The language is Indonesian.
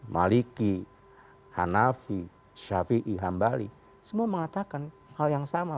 maliki hanafi shafi'i hanbali semua mengatakan hal yang sama